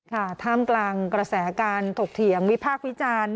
ท่ามกลางกษาการถกเถียงวิพาควิจารณ์